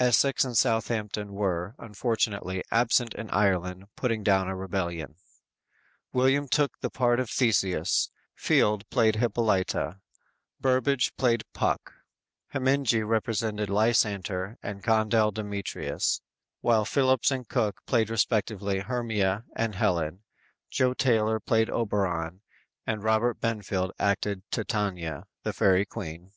Essex and Southampton were, unfortunately, absent in Ireland putting down a rebellion. William took the part of Theseus, Field played Hippolyta, Burbage played Puck, Heminge represented Lysander, and Condell Demetrius, while Phillips and Cooke played respectively Hermia and Helen, Jo Taylor played Oberon and Robert Benfield acted Titania, the fairy queen.